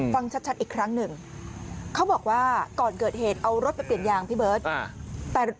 ฟังชัดอีกครั้งหนึ่งเขาบอกว่าก่อนเกิดเหตุเอารถไปเปลี่ยนยางพี่เบิร์ต